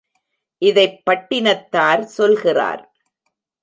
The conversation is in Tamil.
இதைப் பட்டினத்தார் சொல்கிறார்.